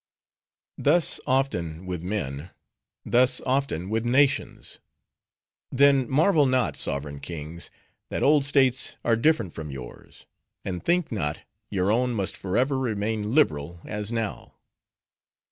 "Thus, often, with men; thus, often, with nations. Then marvel not, sovereign kings! that old states are different from yours; and think not, your own must forever remain liberal as now.